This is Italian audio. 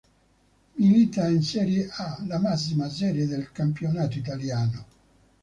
Milita in Serie A, la massima serie del campionato italiano.